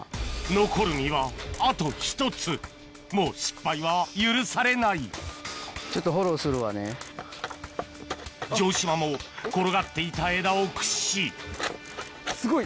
残る実はあと１つもう失敗は許されない城島も転がっていた枝を駆使しすごい！